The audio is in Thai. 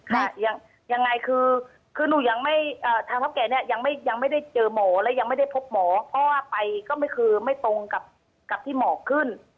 ค่ะยังไงคือคือหนูยังไม่ถ้าพบแก่เนี่ยยังไม่ได้เจอหมอและยังไม่ได้พบหมอก็ไปก็ไม่คือไม่ตรงกับที่หมอขึ้น